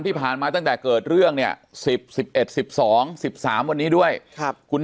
ที่ผ่านมาตั้งแต่เกิดเรื่องเนี่ย๑๐๑๑๑๒๑๓วันนี้ด้วยครับคุณ